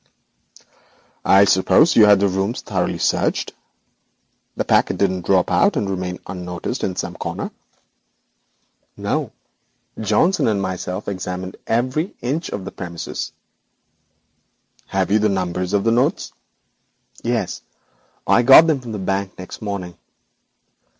'I suppose you caused the rooms to be thoroughly searched. The packet didn't drop out and remain unnoticed in some corner?' 'No; Johnson and myself examined every inch of the premises.' 'Have you the numbers of the notes?' 'Yes; I got them from the Bank next morning.